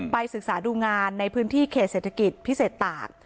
ศึกษาดูงานในพื้นที่เขตเศรษฐกิจพิเศษตาก